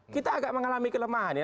kita agak mengalami kelemahan ya